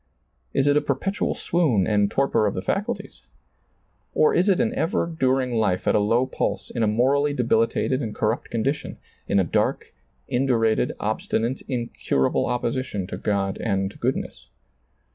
Is it a perpetual swoon and torpor of the &cuhies ? Or is it an ever during life at a low pulse, in a morally debilitated and corrupt condition, in a dark, indurated, obstinate, incurable opposition to God and goodness